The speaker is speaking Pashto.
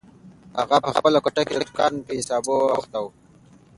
اغا په خپله کوټه کې د دوکان په حسابونو بوخت و.